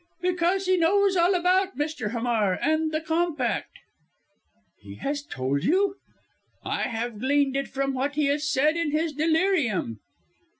"Because he knows all about Mr. Hamar and the compact." "He has told you?" "I have gleaned it from what he has said in his delirium."